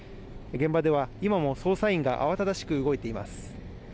現場では、今も捜査員が慌ただしく動いています。